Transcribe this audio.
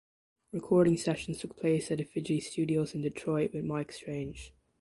Recording sessions took place at Effigy Studios in Detroit with Mike Strange.